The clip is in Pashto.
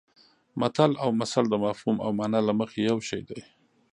متل او مثل د مفهوم او مانا له مخې یو شی دي